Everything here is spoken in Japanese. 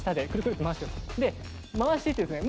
回していってですね